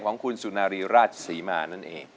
ของคุณสุนารีราชศรีมานั่นเอง